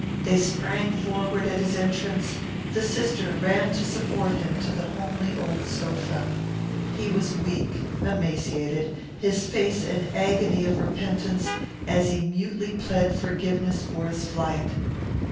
They sprang forward at his entrance; the sister ran to support him to the homely old sofa. He was weak, emaciated, his face an agony of repentance, as he mutely pled forgiveness for his flight.